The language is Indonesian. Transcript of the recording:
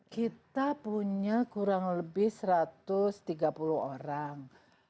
kita punya kurang lebih satu ratus tiga puluh orang